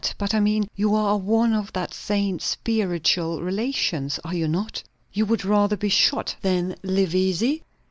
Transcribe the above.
But I mean, you are one of that saint's spiritual relations. Are you not? You would rather be shot than live easy?"